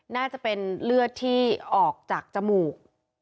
น่าจะเป็นเลือดที่ออกจากจมูก